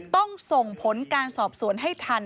ต้องส่งผลการสอบสวนให้ทัน